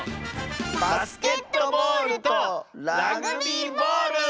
バスケットボールとラグビーボール！